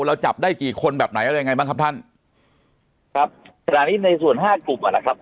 เราจับได้กี่คนแบบไหนอะไรยังไงบ้างครับท่านครับขณะนี้ในส่วนห้ากลุ่มอ่ะแหละครับ